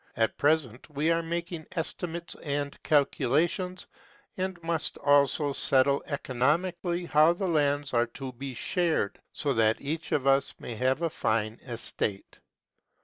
At present we are making estimates and calculations : we must also settle economically how the lands are to be shared, so that each of us may have a fine estate."